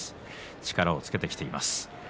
力をつけてきています。